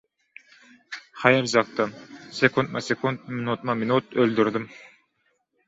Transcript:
Haýaljakdan, sekuntma-sekunt, minutma-minut öldürdim.